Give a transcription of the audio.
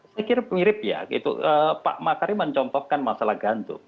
saya kira mirip ya pak makari mencontohkan masalah gandum